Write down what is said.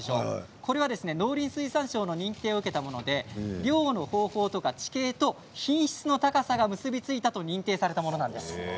これは農林水産省の認定を受けたもので漁の方法とか地形と品質の高さが結び付いたと認定されたものなんです。